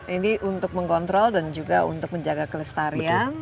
ini untuk mengontrol dan juga untuk menjaga kelestarian